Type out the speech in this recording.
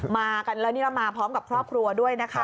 มากันแล้วแล้วมาพร้อมกับครอบครัวด้วย